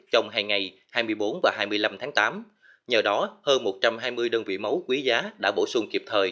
trong hai ngày hai mươi bốn và hai mươi năm tháng tám nhờ đó hơn một trăm hai mươi đơn vị máu quý giá đã bổ sung kịp thời